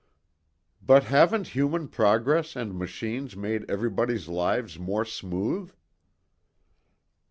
"But haven't human progress and machines made everybody's lives more smooth?"